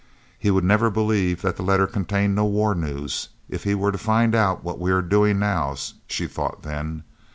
"He would never believe that that letter contained no war news, if he were to find out what we are doing now," she thought then.